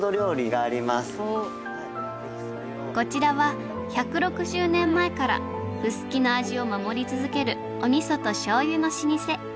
こちらは１６０年前から臼杵の味を守り続けるお味噌と醤油の老舗。